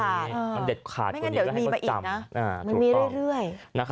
ไม่งั้นเดี๋ยวมีมาอีกนะมันมีเรื่อย